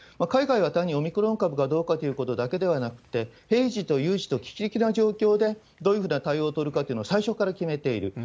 海外は単にオミクロン株かどうかということだけではなくて、平時と有事と危機的な状況で、どういうふうな対応を取るかっていうのを最初から決めている。